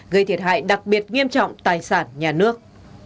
gây thiệt hại đặc biệt nghiêm trọng tài sản nhà nước